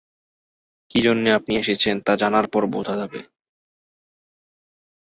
কি জন্যে আপনি এসেছেন তা জানার পর বোঝা যাবে।